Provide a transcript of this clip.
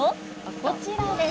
こちらです。